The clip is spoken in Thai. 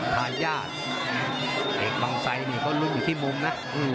ทายาทเอกบางไซดนี่เขาลุ้นอยู่ที่มุมนะ